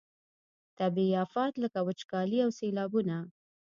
طبیعي آفات لکه وچکالي او سیلابونه.